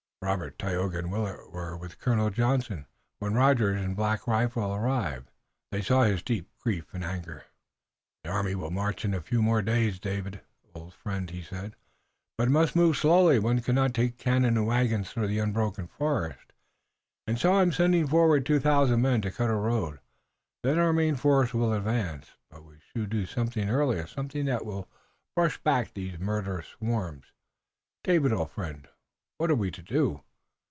Robert, Tayoga and Willet were with Colonel Johnson, when Rogers and Black Rifle arrived, and they saw his deep grief and anger. "The army will march in a few more days, David, old friend," he said, "but it must move slowly. One cannot take cannon and wagons through the unbroken forest, and so I am sending forward two thousand men to cut a road. Then our main force will advance, but we should do something earlier, something that will brush back these murderous swarms. David, old friend, what are we to do?"